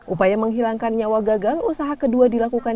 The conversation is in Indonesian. upaya menghilangkan nyawa gagal usaha kedua dilakukan